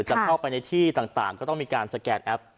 จะเข้าไปในที่ต่างก็ต้องมีการสแกนแอป